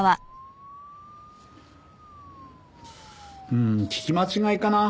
うーん聞き間違いかな？